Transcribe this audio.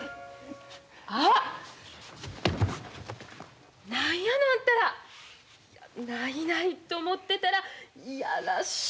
あっ何やのあんたら。ないないと思ってたら嫌らしい。